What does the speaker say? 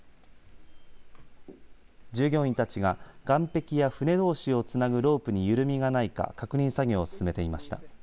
従業員たちが岸壁や船どうしをつなぐロープに緩みがないか確認作業を進めていました。